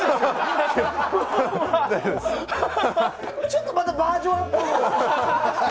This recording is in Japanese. ちょっとまたバージョンアップって。